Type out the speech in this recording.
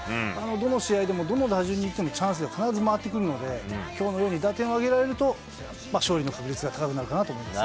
どの試合でも、どの打順にいても、いってもチャンスは必ず回ってくるので、きょうのように打点を挙げられると、勝利の確率が高くなるかなと思います。